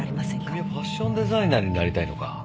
君はファッションデザイナーになりたいのか。